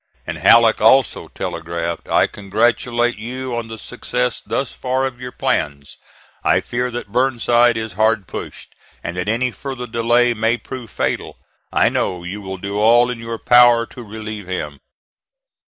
And Halleck also telegraphed: "I congratulate you on the success thus far of your plans. I fear that Burnside is hard pushed, and that any further delay may prove fatal. I know you will do all in your power to relieve him."